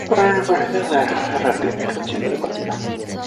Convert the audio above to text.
La referencia a Heráclito ha sido debatida.